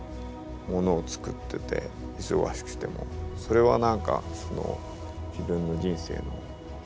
ものを作ってて忙しくてもそれは何か自分の人生のあり方というか。